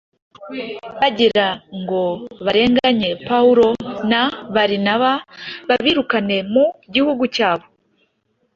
bagira ngo barenganye Pawulo na Barinaba, babirukane mu gihugu cyabo.